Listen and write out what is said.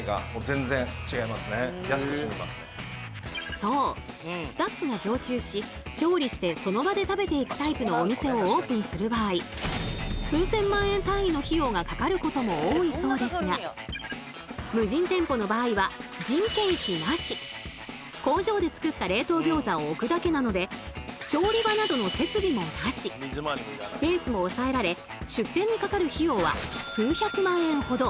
そうスタッフが常駐し調理してその場で食べていくタイプのお店をオープンする場合数千万円単位の費用がかかることも多いそうですが無人店舗の場合は工場で作った冷凍餃子を置くだけなのでスペースも抑えられ出店にかかる費用は数百万円ほど。